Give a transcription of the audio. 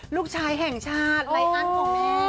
ลูกชายแห่งชาติไรอันของแม่